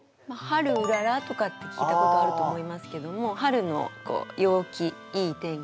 「春うらら」とかって聞いたことあると思いますけども春の陽気いい天気